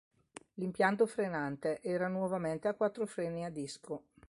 L'impianto frenante era nuovamente a quattro freni a disco.